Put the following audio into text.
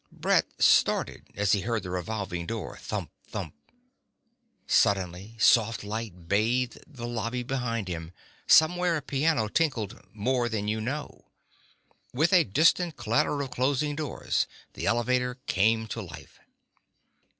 Brett started as he heard the revolving door thump thump. Suddenly soft light bathed the lobby behind him. Somewhere a piano tinkled More Than You Know. With a distant clatter of closing doors the elevator came to life.